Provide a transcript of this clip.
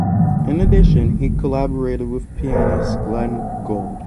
In addition, he collaborated with pianist Glenn Gould.